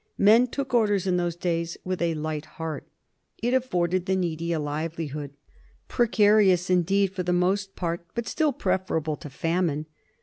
Men took Orders in those days with a light heart. It afforded the needy a livelihood, precarious indeed for the most part, but still preferable to famine.